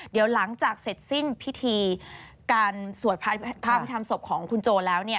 เดี๋ยวหลังจากเสร็จสิ้นพิธีการสวดพระพิธรรมศพของคุณโจแล้วเนี่ย